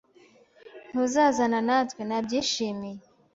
"Ntuzazana natwe?" "Nabyishimiye."